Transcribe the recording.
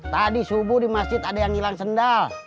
tadi subuh di masjid ada yang hilang sendal